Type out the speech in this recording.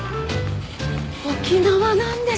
沖縄なんですね！